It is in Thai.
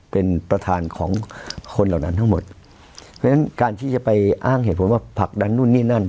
เป็นประธานของคนเหล่านั้นทั้งหมดเพราะฉะนั้นการที่จะไปอ้างเหตุผลว่าผลักดันนู่นนี่นั่น